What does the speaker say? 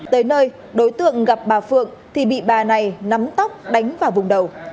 tới nơi đối tượng gặp bà phượng thì bị bà này nắm tóc đánh vào vùng đầu